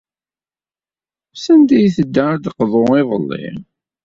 Sanda ay tedda ad d-teqḍu iḍelli?